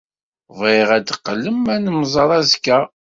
Bɣiɣ ad d-teqqlem ad nemmẓer azekka.